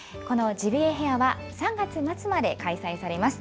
ジビエフェアは３月末まで開催されます。